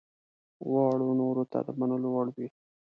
غواړي نورو ته د منلو وړ وي.